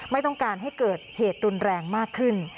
ไม่ต้องการให้เกิดเหตุรุนแรงมากขึ้น